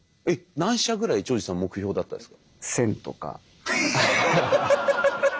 何社ぐらい長司さん目標だったんですか？